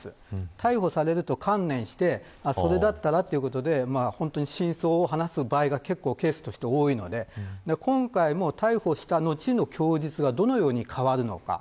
逮捕されると観念してそれだったらということで真相を話す場合が結構、ケースとして多いので今回も逮捕した後の供述がどのように変わるのか。